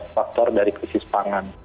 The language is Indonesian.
faktor dari krisis pangan